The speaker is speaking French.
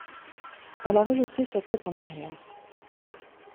Elle a rejeté sa tête en arrière.